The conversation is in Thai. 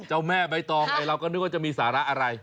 เจ้าแม่ไต้ตองติดตัวจะมีสาระอะไร